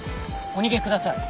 お逃げください。